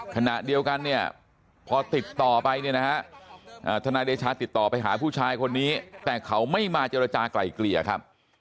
ขณะเดียวกันเนี่ยพอติดต่อไปเนี่ยนะฮะทนายเดชาติดต่อไปหาผู้ชายคนนี้แต่เขาไม่มาเจรจากลายเกลี่ยครับ